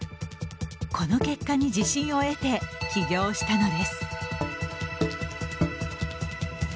この結果に自信を得て起業したのです。